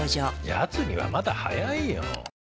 やつにはまだ早いよ。